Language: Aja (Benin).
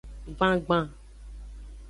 Gbangban.